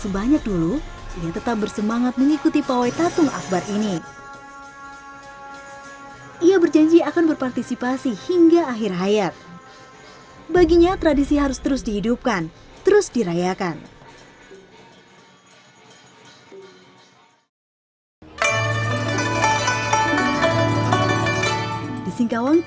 bunyi tambur dan simbal memecah keheningan kota singkawang